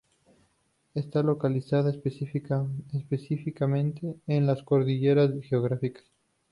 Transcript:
Está localizada específicamente en las coordenadas geográficas